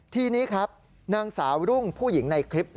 ทีนี้ครับนางสาวรุ่งผู้หญิงในคลิป